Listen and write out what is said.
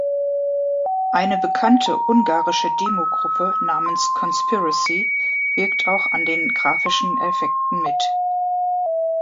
Eine bekannte ungarische Demo-Gruppe namens Conspiracy wirkt auch an den grafischen Effekten mit.